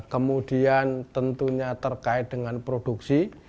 kemudian tentunya terkait dengan produksi